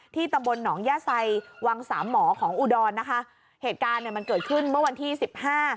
ตำบลหนองย่าไซวังสามหมอของอุดรนะคะเหตุการณ์เนี้ยมันเกิดขึ้นเมื่อวันที่สิบห้า